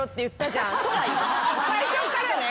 最初っからね。